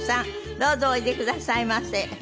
どうぞおいでくださいませ。